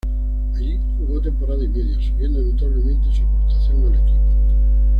Allí jugó temporada y media, subiendo notablemente su aportación al equipo.